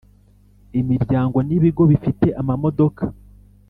imiryango n ibigo bifite amamodoka